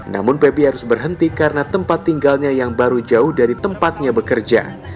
namun pepi harus berhenti karena tempat tinggalnya yang baru jauh dari tempatnya bekerja